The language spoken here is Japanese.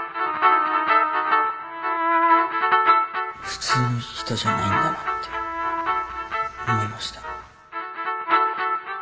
普通の人じゃないんだなって思いました。